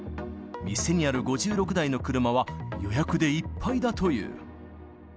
店にある５６台の車は予約でいっぱいだという。